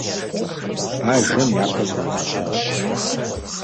Бажэм япэ зыкъригъэщащ.